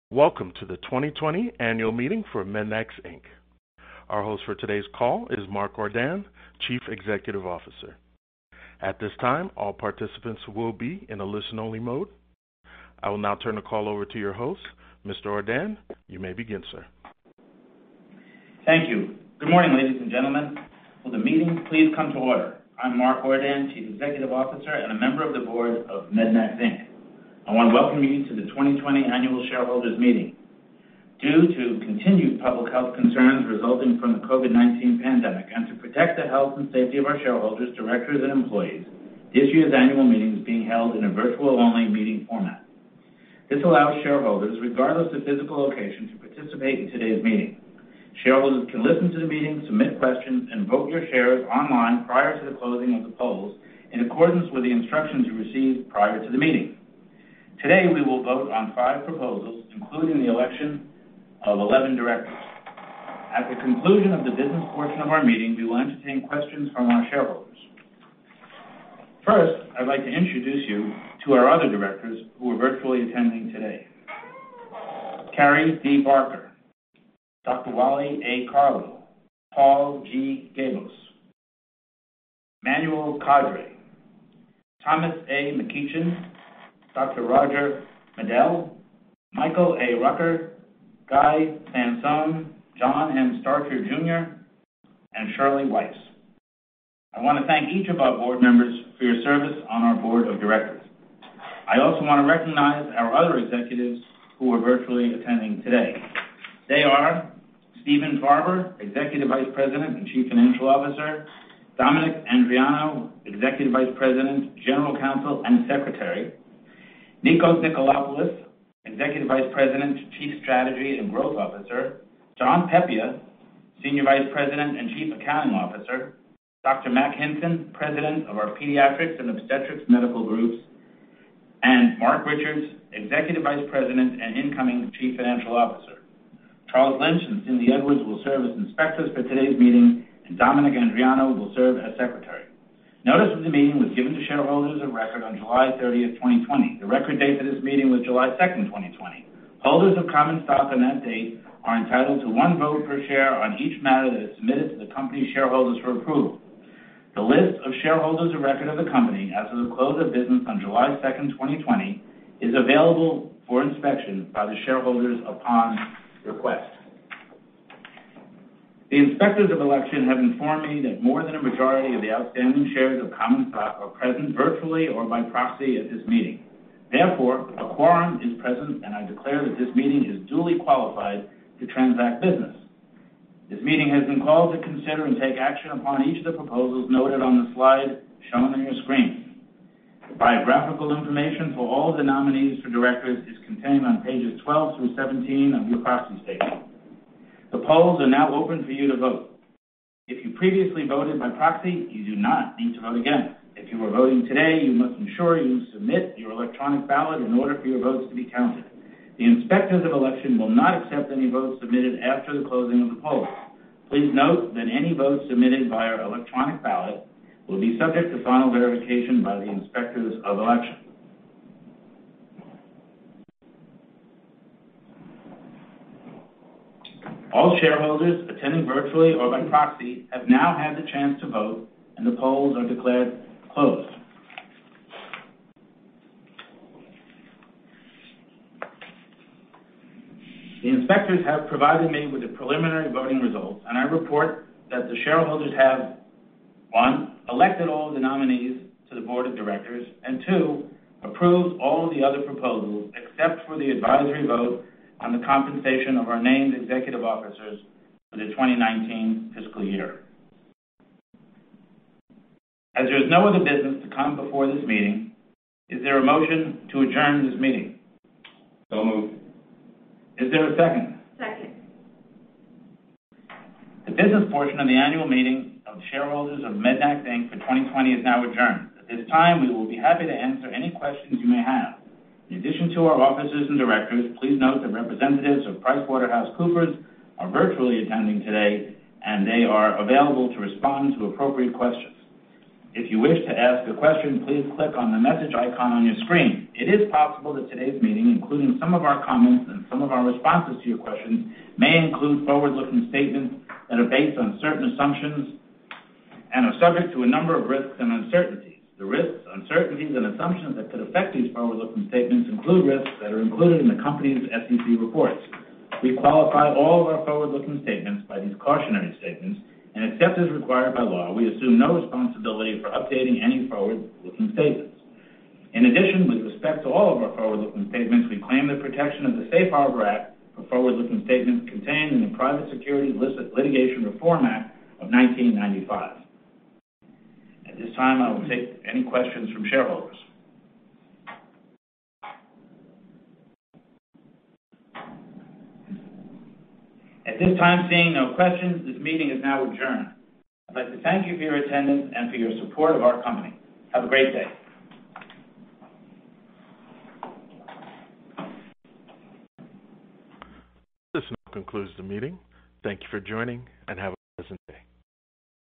Welcome to the 2020 annual meeting for MEDNAX Inc. Our host for today's call is Mark Ordan, Chief Executive Officer. At this time, all participants will be in a listen-only mode. I will now turn the call over to your host. Mr. Ordan, you may begin, sir. Thank you. Good morning, ladies and gentlemen. Will the meeting please come to order? I'm Mark Ordan, Chief Executive Officer and a member of the board of MEDNAX, Inc. I want to welcome you to the 2020 annual shareholders meeting. Due to continued public health concerns resulting from the COVID-19 pandemic and to protect the health and safety of our shareholders, directors, and employees, this year's annual meeting is being held in a virtual-only meeting format. This allows shareholders, regardless of physical location, to participate in today's meeting. Shareholders can listen to the meeting, submit questions, and vote your shares online prior to the closing of the polls in accordance with the instructions you received prior to the meeting. Today, we will vote on five proposals, including the election of 11 directors. At the conclusion of the business portion of our meeting, we will entertain questions from our shareholders. First, I'd like to introduce you to our other directors who are virtually attending today. Karey D. Barker, Dr. Waldemar A. Carlo, Paul G. Gabos, Manuel Kadre, Thomas A. McEachin, Dr. Roger Medel, Michael A. Rucker, Guy Sansone, John M. Starcher, Jr., and Shirley A. Weis. I want to thank each of our board members for your service on our board of directors. I also want to recognize our other executives who are virtually attending today. They are Stephen Farber, Executive Vice President and Chief Financial Officer, Dominic Andreano, Executive Vice President, General Counsel, and Secretary, Nikos Nikolopoulos, Executive Vice President, Chief Strategy and Growth Officer, John Pepia, Senior Vice President and Chief Accounting Officer, Mack Hinson, President of our Pediatrix and Obstetrix Medical Groups, and Marc Richards, Executive Vice President and incoming Chief Financial Officer. Charles Lynch and Cindy Edwards will serve as inspectors for today's meeting, and Dominic Andreano will serve as Secretary. Notice of the meeting was given to shareholders of record on July 30th, 2020. The record date for this meeting was July 2nd, 2020. Holders of common stock on that date are entitled to one vote per share on each matter that is submitted to the company shareholders for approval. The list of shareholders of record of the company as of the close of business on July 2nd, 2020, is available for inspection by the shareholders upon request. The Inspectors of Election have informed me that more than a majority of the outstanding shares of common stock are present virtually or by proxy at this meeting. A quorum is present, and I declare that this meeting is duly qualified to transact business. This meeting has been called to consider and take action upon each of the proposals noted on the slide shown on your screen. Biographical information for all the nominees for directors is contained on pages 12 through 17 of your proxy statement. The polls are now open for you to vote. If you previously voted by proxy, you do not need to vote again. If you are voting today, you must ensure you submit your electronic ballot in order for your votes to be counted. The Inspectors of Election will not accept any votes submitted after the closing of the polls. Please note that any votes submitted via electronic ballot will be subject to final verification by the Inspectors of Election. All shareholders attending virtually or by proxy have now had the chance to vote, and the polls are declared closed. The Inspectors have provided me with the preliminary voting results, and I report that the shareholders have, one, elected all the nominees to the Board of Directors, and two, approved all the other proposals except for the advisory vote on the compensation of our named Executive Officers for the 2019 fiscal year. As there is no other business to come before this meeting, is there a motion to adjourn this meeting? Moved. Is there a second? Second. The business portion of the annual meeting of shareholders of MEDNAX, Inc. for 2020 is now adjourned. At this time, we will be happy to answer any questions you may have. In addition to our officers and directors, please note that representatives of PricewaterhouseCoopers are virtually attending today. They are available to respond to appropriate questions. If you wish to ask a question, please click on the message icon on your screen. It is possible that today's meeting, including some of our comments and some of our responses to your questions, may include forward-looking statements that are based on certain assumptions and are subject to a number of risks and uncertainties. The risks, uncertainties, and assumptions that could affect these forward-looking statements include risks that are included in the company's SEC reports. We qualify all of our forward-looking statements by these cautionary statements, and except as required by law, we assume no responsibility for updating any forward-looking statements. In addition, with respect to all of our forward-looking statements, we claim the protection of the Safe Harbor Act for forward-looking statements contained in the Private Securities Litigation Reform Act of 1995. At this time, I will take any questions from shareholders. At this time, seeing no questions, this meeting is now adjourned. I'd like to thank you for your attendance and for your support of our company. Have a great day. This now concludes the meeting. Thank you for joining, and have a pleasant day.